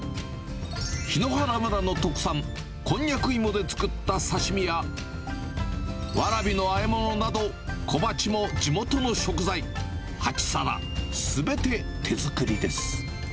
檜原村の特産、こんにゃくいもで作った刺身や、わらびの和え物など、小鉢も地元の食材、８皿すべて手作りです。